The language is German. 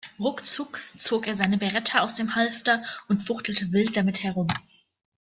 Ruckzuck zog er seine Beretta aus dem Halfter und fuchtelte wild damit herum.